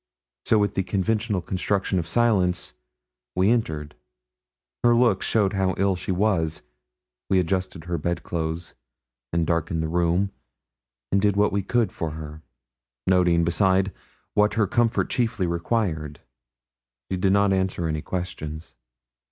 So, with the conventional construction of silence, we entered. Her looks showed how ill she was. We adjusted her bed clothes, and darkened the room, and did what we could for her noting, beside, what her comfort chiefly required. She did not answer any questions.